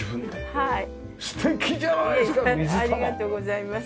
はい。